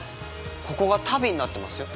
ここが足袋になってますよ